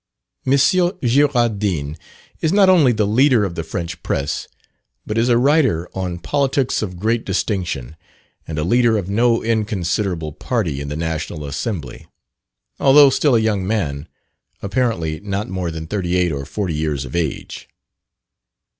M. Girardin is not only the leader of the French press, but is a writer on politics of great distinction, and a leader of no inconsiderable party in the National Assembly; although still a young man, apparently not more than thirty eight or forty years of age.